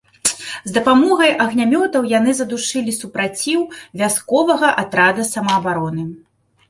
З дапамогай агнямётаў яны задушылі супраціў вясковага атрада самаабароны.